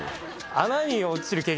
穴に落ちる経験